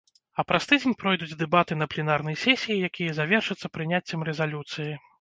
А праз тыдзень пройдуць дэбаты на пленарнай сесіі, якія завершацца прыняццем рэзалюцыі.